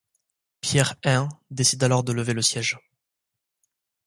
Pierre I décide alors de lever le siège.